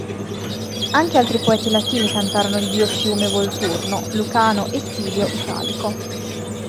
Anche altri poeti latini cantarono il dio-fiume Volturno: Lucano e Silio Italico.